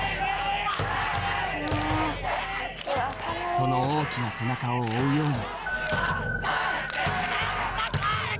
その大きな背中を追うように